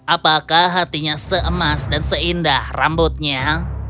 apakah hatinya seemas dan seindah rambutnya